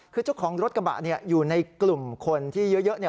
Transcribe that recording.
คือเจ้าของรถกระบะอยู่ในกลุ่มคนที่เยอะ